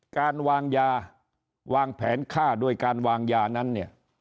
การวางยาวางแผนฆ่าโดยการวางยานั้นเนี่ย